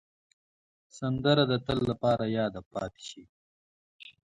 سندره د تل لپاره یاده پاتې شي